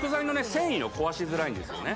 繊維を壊しづらいんですよね